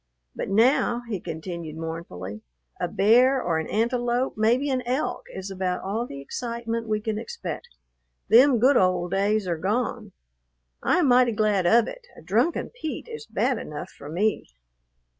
But now," he continued mournfully, "a bear or an antelope, maybe an elk, is about all the excitement we can expect. Them good old days are gone." I am mighty glad of it; a drunken Pete is bad enough for me.